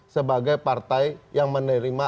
sebagai partai yang lebih berkembang